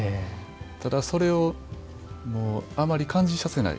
ただ、それをあまり感じさせない。